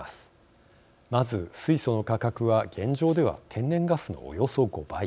まず水素の価格は現状では天然ガスのおよそ５倍。